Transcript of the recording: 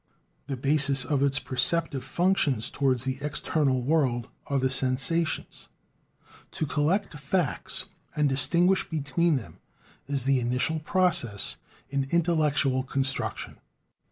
The bases of its perceptive functions towards the external world are the "sensations." To collect facts and distinguish between them is the initial process in intellectual construction.